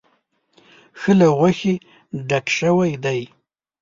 ښه له غوښې ډک شوی دی.